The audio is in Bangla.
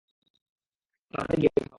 তাড়াতাড়ি গিয়ে খাও।